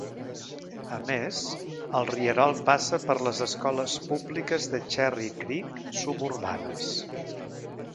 A més, el rierol passa per les Escoles Públiques de Cherry Creek suburbanes.